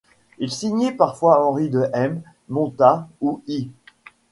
Il signait parfois Henri de Hem, Monta ou Hy.